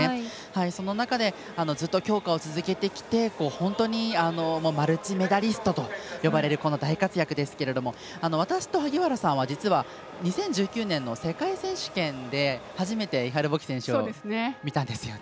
その中でずっと強化を続けてきて本当に、マルチメダリストと呼ばれる大活躍ですけど私と萩原さんは２０１９年の世界選手権で初めてイハル・ボキ選手を見たんですよね。